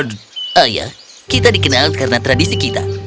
oh ya kita dikenal karena tradisi kita